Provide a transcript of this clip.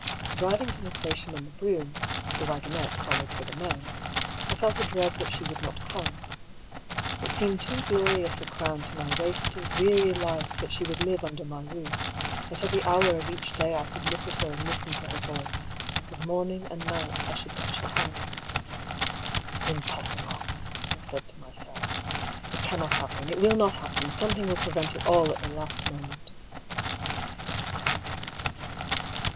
Driving to the station in the brougham (the waggon ette foUowod for the men), I felt a dread that she would not come. It seemed too glorious a crown to my wasted, weary life that she would live under my roof, that every hour of each day I could look at her and listen to her voice, that morning and night I should touch her hand. " Impossible I " I said to myself. " It cannot happen, it will not happen ; something will prevent it all at the last moment."